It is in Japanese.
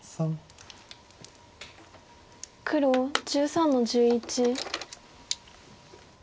黒１３の十一。